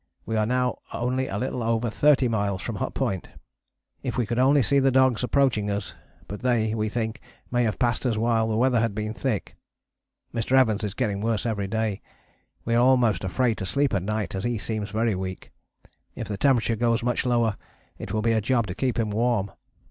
We are now only a little over 30 miles from Hut Point: if we could only see the dogs approaching us, but they, we think, may have passed us while the weather have been thick. Mr. Evans is getting worse every day, we are almost afraid to sleep at night as he seems very weak. If the temperature goes much lower it will be a job to keep him warm.